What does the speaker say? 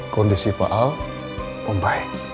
kondisi paal membaik